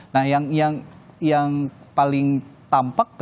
nah yang paling tampak